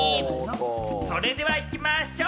それでは行きましょう！